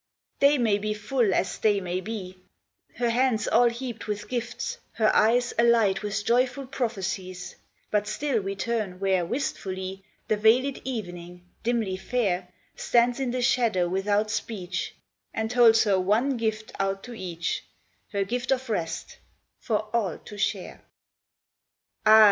Day may be full as day may be, Her hands all heaped with gifts, her eyes Alight with joyful prophecies ; But still we turn where wistfully The veiled evening, dimly fair, Stands in the shadow without speech, And holds her one gift out to each, Her gift of rest, for all to share. Il6 "DER ABEND 1ST DER BESTED Ah